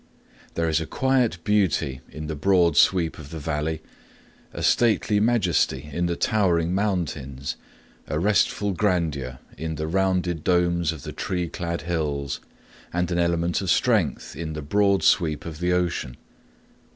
There is a quiet beauty in the broad sweep of the valley, a stately majesty in the towering mountains, a restful grandeur in the rounded domes of the tree clad hills, and an element of strength in the broad sweep of the ocean.